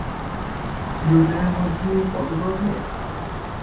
দুজনের মধ্যে কত প্রভেদ!